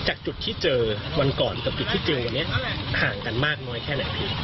จากจุดที่เจอวันก่อนกับจุดที่เจอวันนี้ห่างกันมากน้อยแค่ไหนพี่